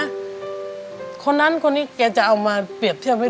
สามีก็ต้องพาเราไปขับรถเล่นดูแลเราเป็นอย่างดีตลอดสี่ปีที่ผ่านมา